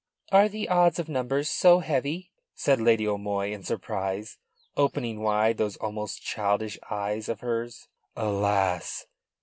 "Are the odds of numbers so heavy?" said Lady O'Moy in surprise, opening wide those almost childish eyes of hers. "Alas!